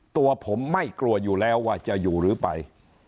ตัวผมไม่กลัวอยู่แล้วว่าจะอยู่หรือไป